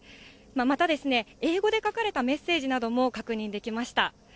また、英語で書かれたメッセージなども確認できました。